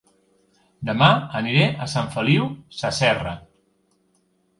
Dema aniré a Sant Feliu Sasserra